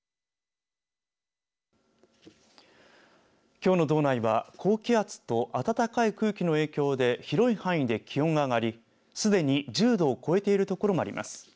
きょうの道内は高気圧と暖かい空気の影響で広い範囲で気温が上がりすでに１０度を超えている所もあります。